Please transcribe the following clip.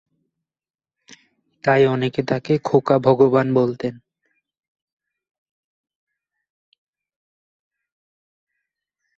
তাই অনেকে তাকে 'খোকা ভগবান' বলতেন।